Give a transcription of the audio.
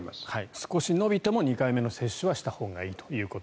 少し延びても２回目の接種はしたほうがいいと。